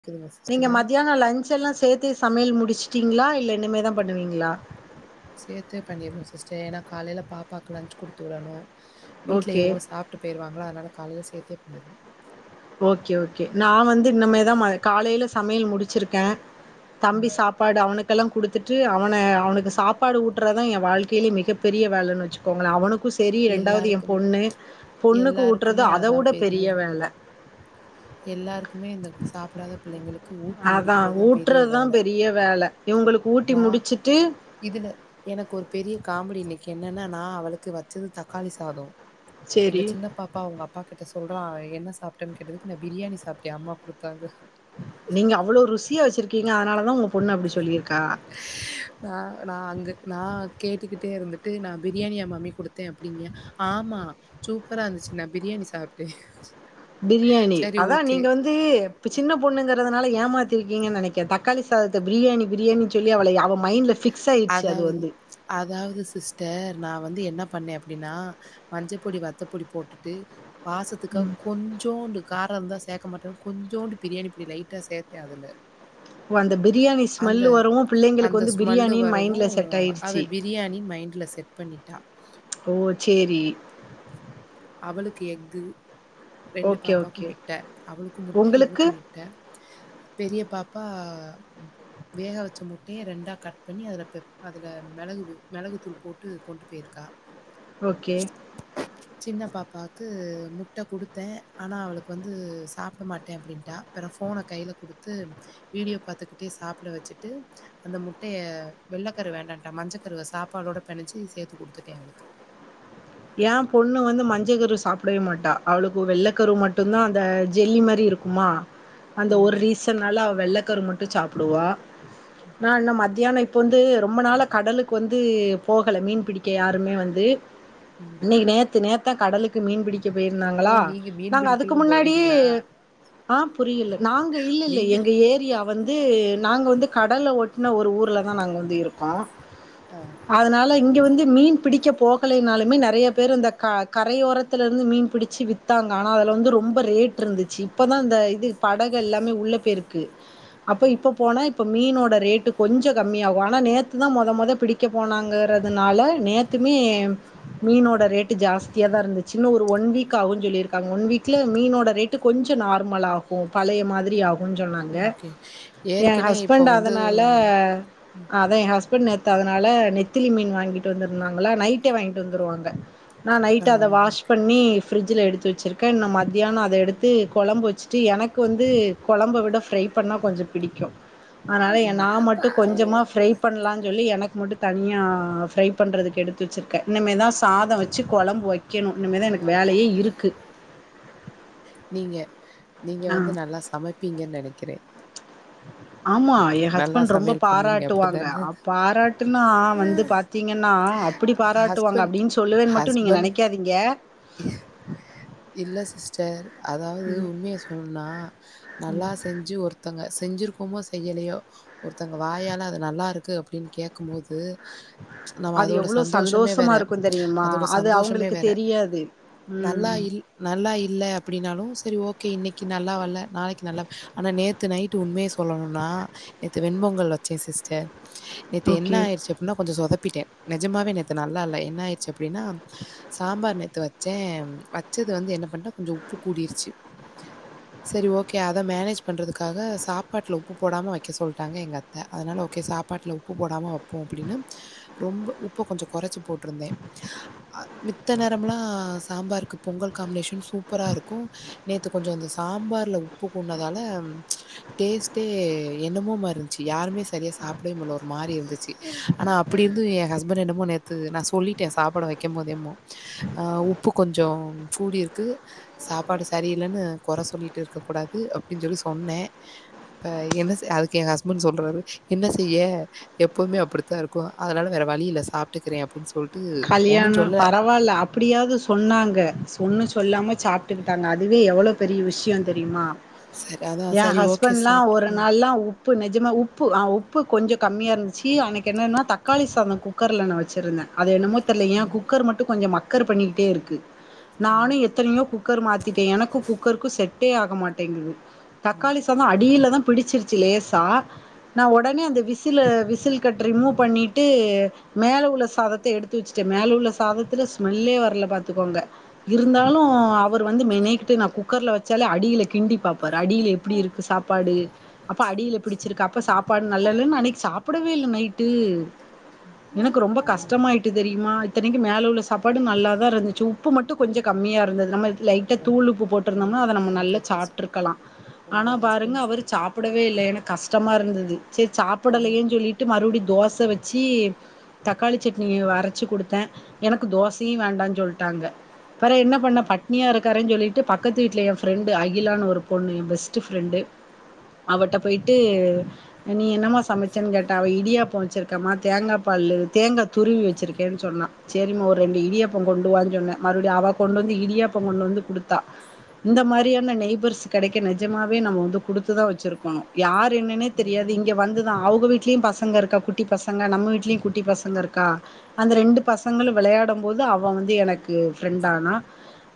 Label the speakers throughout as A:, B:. A: கேக்குதுங்க சிஸ்
B: நீங்க
A: கேக்குதா
B: மத்தியானோ லஞ்ச் எல்லா சேர்த்து சமையல் முடிச்ட்டீங்ளா இல்ல இன்னிமே தா பண்ணுவீங்ளா
A: சேர்த்தே பண்ணிருவோ சிஸ்டர் ஏன்னா காலையில பாப்பாவுக்கு லஞ்ச் குடுத்து விடணு வீட்ல
B: ஓகே
A: இவுங்களு சாப்ட்டு போய்டுவாங்ளா அதனால காலையில சேர்த்தே பண்ணிடுவோ
B: ஓகே ஓகே நா வந்து இன்னமே தா காலையி சமையல் முடிச்சிருக்க தம்பி சாப் பாடு அவனுக்கெல்லா குடுத்துட்டு அவன அவனுக்கு சாப்பாடு ஊட்டறதா என் வாழ்க்கையிலே மிகப்பெரிய வேல வச்சுக்கோங்ள அவனுக்கு சரி ரெண்டாவது என்
A: எல்லாருக்கும்
B: பொண்ணு பொண்ணுக்கு ஊட்டுறது
A: எல்லாருக்குமே
B: அத
A: அதா
B: விட பெரிய வேல
A: எல்லாருக்குமே இந்த சாப்படாத பிள்ளைங்களுக்
B: அதா ஊட்றதா பெரிய வேல இவங்களுக்கு ஊட்டி
A: நா
B: முடிச்சுட்டு
A: இதுல எனக்கு ஒரு பெரிய காமெடி இன்னைக்கி என்னன்னா நா அவுளுக்கு வச்சது தக்காளி சாதோ எங்க
B: சரி
A: சின்ன பாப் பா அவுங்க அப்பா கிட்ட சொல்றான் என்ன சாப்ட்டன் கேட்டதுக்கு நா பிரியாணி சாப்ட்டே அம்மா குடுத்தாங்க
B: நீங்க அவ்ளோ ருசியா வச்சிருக்கீங்க அதனாலதா உங்க பொண்ணு அப்டி சொல்லியிருக்கா
A: [inaudible] ந நா அங்க நா கேட்டுக்கிட்டே இருந்துட்டு நா பிரியாணியா மம்மி குடுத்த அப்டிங்க ஆமா சூப்பரா இருந்துச்சு நா பிரியாணி சாப்பிட்ட
B: பிரியாணி அதா நீங்க வந் து சின்ன பொண்ணுங்கிறதுனால ஏமாத்திருக்கீங்கனு நெனைக்குற தக்காளி சாதத்த பிரியாணி பிரியாணி சொல்லி அவளை அவ மைண்ட்ல ஃபிக்ஸ் ஆயிருச்சு அது
A: அதாவது
B: வந்து
A: அதாவது சிஸ்டர் நா வந்து என்ன பண்ணே அப்டின்னா மஞ்ச பொடி வத்தப்பொடி போட்டுட்டு வாசத்துக்காக
B: ம்
A: கொஞ்சோண்டு காரோந்தா சேக்க மாட்டேனு கொஞ்சோண்டு பிரியாணிப் பொடி லைட்டா சேத்தே அதுல
B: ஓ அந்த பிரியாணி ஸ்மெல் வரவு பிள்ளைங்களுக்கு வந்து பி
A: ஸ்மல் வரவு அத பிரியாணின்னு மைண்டில்ல செட் பண்ணிட்டா
B: ஓ சேரி
A: அவளுக்கு எக்கு ரெண்டு
B: ஓகே
A: பாப்பாக்கு
B: ஓகே
A: முட்ட அவளுக்கு முட்ட
B: உங்களுக்கு
A: இவளுக்கு முட்ட பெரிய பாப்பா வேக வச்ச முட்டைய ரெண்டா கட் பண்ணி அதில பெ அதில மெளகு மெளகுத் தூள் போட்டு கொண்டு போயிருக்கா
B: ஓகே
A: சின்னப் பாப்பாக்கு முட்ட குடுத்தே ஆனா அவளுக்கு வந்து சாப்ட மாட்டே அப்டின்ட்டா அப்புறோ ஃபோன கைல குடுத்து வீடியோ பாத்துக்கிட்டே சாப்ட வச்சுட்டு அந்த முட்டய வெள்ள கரு வேண்டான்ட்டா மஞ்ச கருவ சாப்பாடோட பெனஞ்சு சேத்து குடுத்துட்டே அவளுக்கு
B: ஏ பொண்ணு வந்து மஞ்ச கருவ சாப்டவே மாட்டா அவளுக்கு வெள்ளக் கரு மட்டுதா அந்த ஜெல்லி மாரி இருக் குமா அந்த ஒரு
A: ம்,
B: ரீசன்னால அவ வெள்ளக்கரு மட்டு சாப்புடுவா நா இன்னு மதியானோ ப்போ வந்து ரொம்ப நாளா கடலுக்கு வந்து போகல மீன் பிடிக்க யாருமே வந்து
A: ம்.
B: நேத்து நேத்தா கடலுக்கு மீன் புடிக்க
A: ஓ!
B: போயிருந்தாங்களா
A: நீங்க மீன்
B: நாங்க அதுக்கு
A: பிடிக்கலாம்
B: முன்னாடிய
A: போவீங்களா?
B: ஆ புரியல நாங்க இல்லல்ல
A: நீங்க
B: எங்க ஏரியா வந்து நாங்க வந்து கடல ஒட்ன ஒரு ஊர்ல தா நாங்க வந்து இருக்கோ
A: ஆ.
B: அதனால இங்க வந்து மீன் பிடிக்க போகலேனாலுமே நெ றைய பேர் இந்த க கரையோரத்துல இருந்து மீன் பிடிச்சு வித்தாங்க ஆனா அதுல வந்து ரொம்ப ரேட்டு இருந்துச்சு இப்பதா இந்த இது படகு எல்லாமே உள்ள பேயிருக்கு அப்ப இப்ப போனா இப்ப மீனோட ரேட்டு் கொஞ்ச கம்மியாகு ஆனா நேத்து தா மொத மொத பிடி க்க போனாங்கறதுனால நேத்துமே மீனோட ரேட்டு ஜாஸ்தியா தா இருந்து ச்சு இன்னு ஒரு ஒன் வீக் ஆவு சொல்லியிருக்காங்க ஒன் வீக்ல மீனோட ரேட்டு கொஞ்ச நார்மலாகு பழைய மாதிரி ஆ வு சொன்னாங்க
A: ஓகே.
B: எ
A: ஏற்கனவே இப்போ
B: ஹஸ்பண்ட்
A: வந்து
B: அதனால அதா எ ஹஸ் பண்ட் நேத்து அதனால நெத்திலி மீன் வாங்கிட்டு வந்திருந்தாங்களா நைட்டே வாங்கிட்டு வந்துருவாங்க நா
A: ஆ
B: நைட்டு அத வாஷ்
A: ஓகே.
B: பண்ணி ஃப்ரிட்ஜ்ல எடுத்து வச்சிருக்கே இன்னு மதியானோ அத எடுத்து கொழம்பு வச் சு எனக்கு வந்து கொழம்ப விட ஃப்ரை பண்ணா கொஞ்ச பிடிக்கு அனால எ நா மட்டு கொஞ்சமா ஃப்ரை பண்லான் சொல்லி எனக்கு மட்டு தனிய ஃப்ரை பண்றதுக்கு எடுத்து வச்சிருக்கே இனிமே தா சாதோ வச்சு கொழம்பு வக்கேணு இனிமே தா எனக்கு வேலயே இருக்கு
A: நீங்க நீங்க
B: ஆ.
A: வந்து நல்லா சமப்பீங்கன் நெனக்கிறே
B: ஆமா எ ஹஸ்பண்ட் ரொம்ப
A: சமையல் பண்ணுவீங்க
B: பாராட்டுவாங்க
A: அப்படிதானே?
B: அ பாராட்டுனா வந்து பா த்திங்கன்னா அப்டி பாராட்டுவாங்க
A: ஹஸ்பண்ட்
B: அப்டின் சொல்லுவே மட்டு நீங்க
A: ஹஸ்பண்ட்
B: நெனைக்காதீங்க
A: இல்ல சிஸ்டர் அதாவது உண்மய சொன்னா நல்லா செஞ்சு ஒரு த்தோங்க செஞ்சுருக்கோமோ செய்யலயோ ஒருத்தங்க வாயால அது நல்லாருக்கு அப்டின் கேட்கும்போது நம
B: அது
A: அதோட
B: எவ்ளோ
A: சந்தோஷமே வேற
B: சந்தோஷமா இருக்கும் தெரியுமா?
A: அதோட
B: அது
A: சந்தோஷமே
B: அவங்களுக்கு
A: வேற
B: தெரியாது. ம்.
A: நல்லாயில் நல்லா இல்ல அப்டினாலு சேரி ஓகே இன்னக்கி நல்லா வல்ல நாளைக் நல்லா ஆனா நேத்து நைட்டு உண்மய சொ ல்லணுனா நேத்து வெண்பொங்கல் வச்சே சிஸ்டர் நேத்து என்ன
B: ஓகே.
A: ஆயிருச்சு அப்புன்னா கொஞ்சோ சொதப்பிட்டே நெஜமாவே நேத்து நல்லால்ல என்னாய்ருச்சு அப்டினா சாம்பார் நேத்து வ ச்சே வச்சது வந்து என்ன பண்ட்டே கொஞ்சோ உப்பு கூடிர்ச்சு சேரி ஓகே அத மேனேஜ் பண்றதுக்காக சாப்பாட்ல உப்பு போடாம வய்க்க சொல்ட்டாங்க எங்கத் த அதுனால ஓகே சாப்பாட்ல உப்பு போடாம வப்போ அப்டினு ரொம்போ உப்ப கொஞ்சோ கொறைச்சி போட்ருந்தே அ மித்த நேரம்லா அ சாம்பார்க்கு பொங்கல் காம்னேஷன் சூப்பராருக்கு நேத்து கொஞ்சோ இந்த சாம்பார்ல உப்பு கூட்னதால டேஸ்ட்டே என்னமோ மார்ருந்ச்சி யாருமே சரியா சா ப்டவே முட்ல ஒரு மாரி இருந்துச்சி ஆனா அப்பிடியிருந்து எ ஹஸ்பண்ட் என்னமோ நேத்து நா சொல்லிட்டே சாப்பாடு வெக்கம்போதேமு அ உப்பு கொஞ்சோ கூடிர்க்கு சாப்பாடு சரியில்லனு கொற சொல்லிட்டிருக்கக் கூடாது அப்டின் சொல்லி சொன்னே ப்ப என்ன செ அதுக்கு எ ஹஸ்பண்ட் சொல்றாரு என்ன செய்ய எப்பவுமே அப்டி தா இருக்கு அதுனால வேற வழியில்ல சாப்ட்டுக்கிறே அப்டின் சொல்
B: கல்யாணோ பரவால்ல அ ப்டியாவ்து சொன்னாங்க ஸ் ஒன்னு சொல்லாம சாப்ட்டுக்கிட்டாங்க அதுவே எவளோ பெரிய விஷ்யோ தெரியுமா
A: சரி அதா
B: எ
A: சரி ஓகே
B: ஹஸ்பண்ட்லா ஒரு
A: சாப்ட்டுக்கோங்க
B: நாள்லா உ ப்பு நெஜமா உப்பு அ உப்பு கொஞ்ச கம்மியா இருந்து ச்சி அன்னைக் என்னன்னா தக்காளி சாதோ குக்கர்ல நா வெச்சிருந்தே அது என்னமோ தெர்ல ஏ குக்கர் மட் டு கொஞ்ச மக்கர் பண்ணிகிட்டே இருக்கு நானு எத்தனையோ குக் கர் மாத்திட்டே எனக்கு குக்கருக்கு செட்டே ஆக மாட்டேங்கிது தக்காளி சாதோ அடில தா பிடிச்சிருச்சி லேசா நா ஒடனே அந்த விசில விசில் கட் ரிமூவ் பண்ணீட்டு மேல உள்ள சாதத் த எடுத்து வெச்சிட்டே மேல உள்ள சாதத்துல ஸ்மெல்லே வர்ல பாத்துக்கோங்க இருந்தாலு அவுர் வந்து மெனேகிட்டு நா குக்கர்ல வெச்சாலே அடில கிண்டி பாப் பாரு அடில எப்பிடி இருக்கு சாப்பாடு அப்ப அடில பிடிச்சிருக்கா அப்ப சாப்பாடு நல்லால்லன் அன்னைக் சாப்பட வே இல்ல நைட்டு
A: ம்
B: எனக்கு ரொம்ப கஷ்
A: ம்
B: ட்டு தெரியுமா இத்தனைக்கு மேல உள்ள சாப்பாடு நல்லாதா இருந்துச்சு உப்பு மட்டு கொஞ்சோ கம்மியா இருந்தது நம்ம லைட்டா
A: உங்
B: தூள் உப்பு போட்ருந்தம்னா அத நம்ம
A: உங்க
B: நல்லா
A: ஹஸ்பண்ட்
B: சாப்ட்ருக்கலா
A: உங்க
B: ஆனா பாருங்க
A: ஹஸ்பண்ட்ஸ்
B: அவுரு சாப் டவே இல்ல எனக் கஷ்டமா இருந்தது சேரி
A: உங்
B: சாப்படலையேன் சொல்லீட் டு மறுபடி தோச வெச்சி தக்காளி சட்னி அரச்சி குடுத்தே எனக்கு தோசையு வேண்டான் சொல்ட்டாங்க பெறகென்ன பண்ண
A: உங்
B: பட் னியா இருக்காரேன் சொல்லீட்டு பக்கத்து வீட்ல ஏ ஃப்ரெண்டு அகிலானு ஒரு பொண்ணு எ பெஸ்ட்டு ஃப்ரெண்டு அவட்ட போய்ட்டு நீ என்னமா சமச்சன் கேட்டே அவ இடியாப்போ வெச்சிருக்கேமா தேங்கா பாலு தேங்கா துருவி வெச்சிருக்கேன் சொன்னா சேரிமா ஒரு ரெண்டு இடியாப்போ கொண்டு வானு சொன்னே மறுபடியு அவ கொண்டு வந்து இடியப்போ கொண்டு வந்து குடுத் தா இந்த மாரியான நெய்பர்ஸ் கெடைக்க நிஜமாவே நம்ம வந்து குடுத்து தா வெச்சிருக்கணு யார் என்னனே தெரியாது இங்க வந்துதா அவுங்க வீட்லயு பசங்க இருக்கா குட்டி பசங்க நம்ம வீட்லயு குட்டி பசங்க இருக் கா அந்த ரெண்டு பசங்களு வெளையாடம்போது அவ வந்து எனக் கு ஃப்ரெண்டானா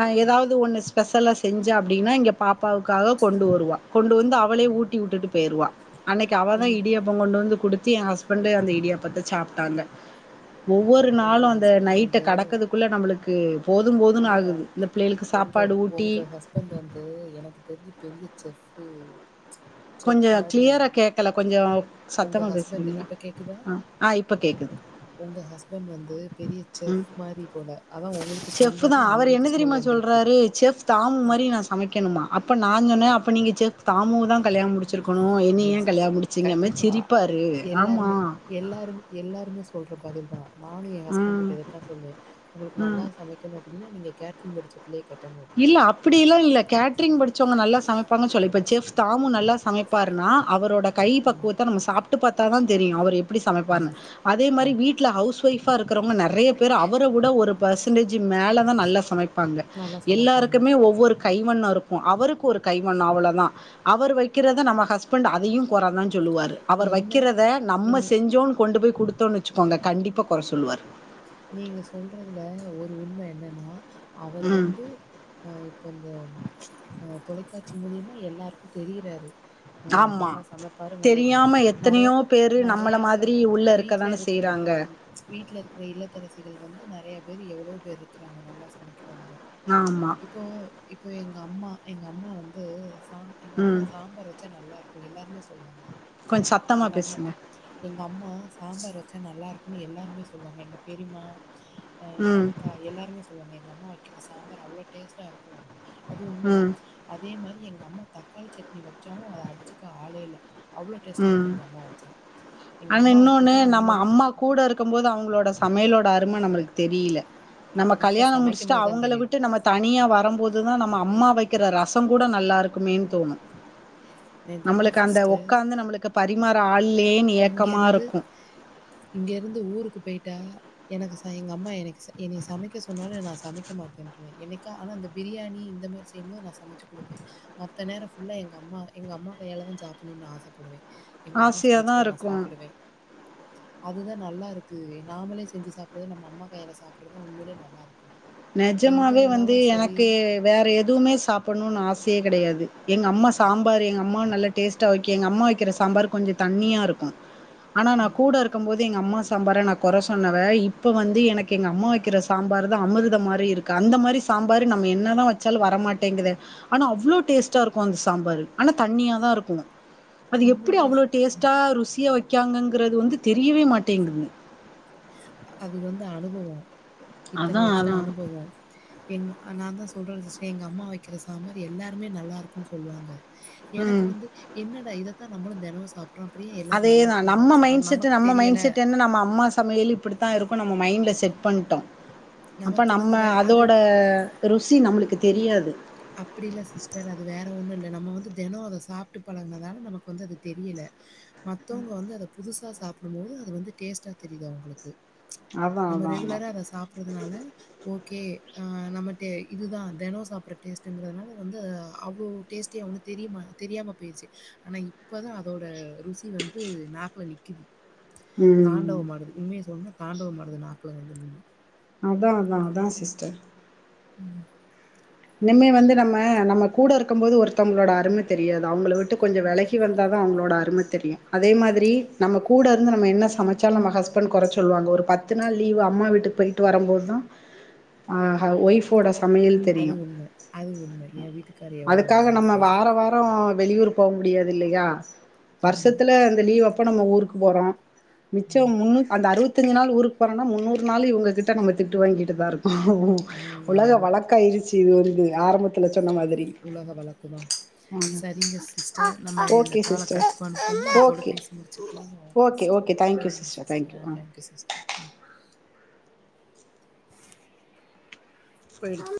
B: அ எதாவ்து ஒன்னு ஸ்பெஷலா செஞ்சா அப்டினா இங்க பாப்பாவுக்காக கொண்டு வருவா கொண்டு வந்து அவளே ஊட்டிவுட்டுட்டு போயிருவா அன்னைக் அவ தா
A: எங்
B: இடியா ப்போ கொண்டு வந்து குடுத்து எ ஹஸ்பண்டு அந்த இடியாப்பத்த சாப்ட்டாங்க ஒவ்வொரு நாளு
A: உங்க
B: அந்த
A: ஹஸ்பண்ட்
B: நைட்ட
A: வந்து
B: கடக்கற்துக்குள்ள நம்மளுக் கு போதும்போதுனு
A: இல்ல
B: ஆகுது இந்த பிள்ளையளுக்கு சாப்பாடு ஊட்டி
A: கொண்டு வந்து எனக்கு தெரிஞ்சி பெரிய செஃப்பு செஃப்
B: கொஞ்சோ
A: மாரி
B: க்ளியரா கேக்கல கொஞ்சோ
A: உங்க ஹஸ்பண்ட் இப்ப கேக்குதா
B: கேக்குது
A: உங்க ஹஸ்பண்ட் வந்து பெரிய செஃப் மாரி போல அதா உங்களுக்கு ஸ்மெல்
B: செஃபு தான்
A: வரல
B: அவரு என்ன
A: அவங்களுக்கு
B: தெரியுமா
A: ஸ்மெல் வந்திருக்கு
B: சொல்றாரு செஃப் தாமு
A: ம்
B: மாரி நா சமைக்கணுமா அப்ப நான் சொன்னே அப்ப நீங்க தாமு அ தா தான் கல்யாணம் முடிச் ச்சிருக்கணு என்ன
A: நிஜ்
B: ஏன் கல்யாணம் முடிச்சிங்கம ஜிரிப்பாரு ஆமா
A: எல்லாரும் எல்லாருமே சொல்ற பதில் தான் நானும் என் ஹஸ்பண்ட்
B: ம்
A: கிட்ட இத தா சொல்வேன் உங்களுக்கு
B: ம்
A: நல்லா சமைக் னோ அப்படின்னா நீங்க கேட்டரிங் படிச்ச பிள்ளை
B: இல்ல அப் புடியெல்லாம் இல்ல கேட்ரிங் படிச்சவங்க நல்லா சமைப்பாங்கன்னு சொல்லு இப்ப செஃப் தாமு நல்லா சமைப்பாருன்னா அவரோட கை
A: ம்,
B: பக்குவத்த நம்ம சாப்ட்டு பாத்தா தா தெரியும் அவர் எப்டி சமைப்பாருனு
A: ம்.
B: அதே மாரி வீட்டல ஹவுஸ் ஒய்ஃப் ஆ இருக்குறவங்க நெறய பேரு அவர ஒட ஒரு பெர்சன்டேஜ் மேல தான் நல்லா சமைப்பாங்க
A: நல்லா சமைப்பாங்க.
B: எல்லாருக்குமே ஒவ்வொரு கைவண்னோ இருக்கும் அவருக்கு ஒரு கைவண்னோ அவ்வளோதான் அவர் வைக்குறத நம ஹஸ்பண்டு அதையும் கொற தா சொல்லுவாரு அவர்
A: என்ன
B: வைக்கறத நம்ம
A: நீங்க
B: செஞ்சோன்னு கொண்டு போய் குடுத்தோனு வச்சுக்கோங்க கண்டிப்பா கொற சொல்லுவாரு
A: நீங்க சொல்றதுல ஒரு உண்ம என்னன்னா அவரு
B: ம்
A: வந்து ஆ இப்ப இந்த அ தொலைக்காட்சி மூலியமா எல்லாருக்கும் தெரிறாரு அ
B: ஆமா
A: நல்லா சமைப்பாரு நல்லதுனு
B: தெரியாம
A: நெறயா
B: எத்தனையோ பேரு நம்மள
A: நெறையா
B: மாதிரி உள்ள
A: வீட்ல
B: இருக்கதான
A: இருக்கற
B: செய்யறாங்க
A: வீட்ல இருக்கற இல்லத்தரசிகள் வந்து நெறைய பேரு எவ்ளோ பேர் இருக்குறாங்க நல்லா சமைக்குறவங்க
B: ஆமா
A: இப்போ இப்போ எங்க அம்மா எங்க அம்மா வந்து சா எங்க அம்மா
B: ம்
A: சாம்பார் வச்சா நல்லா இருக் கும் எல்லாருமே சொல்வாங்க
B: கொஞ் சத்தமாக பேசுங்க
A: எங்க அம்மா சாம்பார் வச்சா நல்லா இருக்கும்னு எல்லாருமே சொல்வாங்க எங்க பெரிம்மா அ எங்க
B: ம்
A: அக்கா எல்லாருமே சொல்வாங்க எங்க அம்மா வைக்கற சாம்பார் அவ்ளோ டேஸ்ட்டாக இருக்கும் அப்டி அது உண்மதான்
B: ம்
A: அதே மாரி எங்க அம்மா தக்காளி சட்னி வச்சாவும் அத அடிச்சுக்க ஆளே இல்ல அவ்ளோ டேஸ்ட்டா
B: ம்
A: இருக்கும் எங்க அம்மா வச்சா எங்க
B: ஆனா
A: அம்மா
B: இன்னொன்னு
A: வைக்கிறது
B: நம்ம
A: உண்மையில
B: அம்மா கூட இருக்கும் போது அவங்களோட சமையலோட அரும நம்மளுக்கு தெரியில நம்ம
A: இப்ப
B: கல்யாணம்
A: சமைக்கும்
B: முடிச்சுட்டா
A: போதுதா
B: அவுங்கள
A: தெரியுது
B: விட்டு நம்ம தனியா வரம் போது தா நம்ம அம்மா வைக்கற ரசம் கூட நல்லா இருக்குமேன்னு தோணும்
A: நெஜமா
B: நம்மளுக்கு அந்த
A: சிஸ்டர்
B: ஒக்காந்து நம்மளுக்கு பரிமாற ஆள் இல்லயேனு
A: இங்கருந்து இங்கருந்து ஊருக்கு போயிட்டா எனக்கு ச எங்க அம்மா எனக்கு எனய சமைக்க சொன்னாலும் நா சமைக்க மாட்டேன்றுவேன் என்னைக்கா ஆனா அந்த பிரியாணி இந்த மாரி தேமா ரசம் வச்சி குடுப்பேன் மத்த நேரம் ஃபுல்லா எங்க அம்மா எங்க அம்மா கையால தா சாப்படணும்னு ஆசைப்படுவேன் எங்க அம்மா சமைச்சு
B: ஆசையாதா
A: தா நா
B: இருக்கு
A: சாப்புடுவேன் அதுதான் நல்லா இருக்கு நாமளே செஞ்சு சாப்படுறது நம்ம அம்மா கையால சாப்பட்றதுதான் உண்மையிலே நல்லா இருக்கு
B: நெஜமாவே வந்து எனக்கு வேற எதுவுமே சாப்பணும்னு ஆசையே கெடையாது எங்க அம்மா சாம்பாரு எங்க அம்மா நல்ல டேஸ்டா வைக்கும் எங்க அம்மா வைக்கற சாம்பாரு கொஞ்சோ தண்ணியா இருக்கும் ஆனா நான் கூட க்கும் போது எங்க அம்மா சாம்பார நான் கொற சொன்னவ இப்ப வந்து எனக்கு எங்க அம்மா வைக்கற சாம்பாரு தான் அமிர் த மாரி இருக்கு அந்த மாரி சாம்பாரு நம்ம என்ன தா வச்சாலும் வரமாட்டேங்குதே ஆனா அவ்ளோ டேஸ்ட்டா இருக்கும் அந்த சாம்பாரு ஆனா தண்ணியா தா இருக்கும் அது எப்புடி
A: உண்மையிலே
B: அவ்ளோ டேஸ்ட்டா ருசியா வைக்காங்கங்கறது வந்து தெரியவே மாட்டேங்குறது
A: அது வந்து அனுபவோம் இத்தன
B: அதான்
A: வருஷ
B: அதான்.
A: அனுபவோ எங் நா தா சொல்றேன்ல்ல சிஸ்டர் எங்க அம்மா வைக்கிற சாம்பார் எல்லாருமே நல்லா இருக்குன்னு சொல்லுவாங்க எனக்கு
B: ம்.
A: வந்து என்னடா இத தா நம்மளு தெனோ சாப்
B: அதேதா நம்ம மைண்ட் செட் நம்ம
A: தெரியல.
B: மைண்ட் செட் என்ன நம்ம அம்மா சமையலு இப்டி தா இருக்கு நம்ம மைண்ட்ல் செட் பண்ணிட்டோ அப்ப
A: நமக்கு வந்து
B: நம்ம
A: வே அது
B: அதோட ருசி நம்மளுக்கு தெரியாது
A: அப்பிடி இல்ல சிஸ்டர் அது வேற ஒன்னு இல்ல நம்ம வந்து தெனோ அத சாப்பிட்டு பழகுங்க தால நமக்கு வந்து தெரியல மத்தவங்க வந்து அத புதுசா சாப்பிடும் போது அது வந்து டேஸ்ட்டா தெரியுது அவுங்களுக்கு
B: அதா
A: நம்ம
B: அதா அதா
A: ரெகுலரா அத சாப் இருக்குறதுனால ஓகே ஆ நம்ம இது தா தெனோ சாப் டேஸ்டுங்கிறதுனால வந்து அவ்ளோ டேஸ்ட்டியா வந்து தெரிய தெரியாம போயிடுச்சு ஆனா இப் இப்பதா அதோட ருசி வந்து நாக்கில நிக்கிது
B: ம்
A: தாண்டவ மாடுது உண்மையே சொன்னுனா தாண்டவ மாடுது நாக்குல வந்து நின்னு
B: அதா அதா அதா சிஸ்டர்
A: ம்
B: இனிமே வந்து நம்ம நம்ம கூட இருக் இருக்கும்போது ஒருத்தவங்களோட அரும தெரியாது அவுங்கள விட்டு கொஞ்சோ வெலகி வந்தா தா அவுங்களோட அரும தெரியு அதே மாதிரி நம்ம கூட இருந்து நம்ம என்ன சமச்சாலு நம்ம ஹஸ்பண்ட் கொற சொல்லுவாங்க ஒரு பத்து நாள் லீவு அம்மா வீட்டுக்கு போய் ட்டு வரும்போது தா ஒய்ஃபோட சமையல்
A: அது
B: தெரியு
A: உண்ம. அது உண்மை ஏ வீட்டுக்கார் எவ்ளளோ
B: அதுக்காக நம்ம
A: உணர்ந்துருக்காரு
B: வார வெளியூர் போக முடியாது இல்லியா
A: ஆமா.
B: வருஷத்துல இந்த லீவ் அப்ப நம்ம ஊருக்கு போறோ மிச்சோ முன்ன அந்த அறுவத் த்தஞ்சு நாள் ஊருக்கு போறோனா முன்னூறு நாள் இவங்ககிட்ட நம்ம திட்டு வாங்கிட்டு தா இருக்கோ
A: ம்
B: உலக
A: ஆமா.
B: வழ க்காயிருச்சு இது வந்து ஆரம்பத்துல சொன்ன மாதிரி ஆமா
A: செரிங்க சிஸ்டர் நம்ம இந்த
B: ஓகே
A: கால
B: சிஸ்டர்
A: கட் பண்ட்டு இதோட
B: ஓகே
A: பேசி முடிச்சுக்கலாமா ஓகே சிஸ்டர் செரிங்க சிஸ்டர் தேங்க் யூ சிஸ்டர் [inaudible]